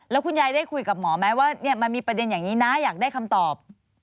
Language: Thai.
แล้วคุณยายได้คุยกับหมอไหมว่ามันมีประเด็นอย่างนี้นะอยากได้คำตอบ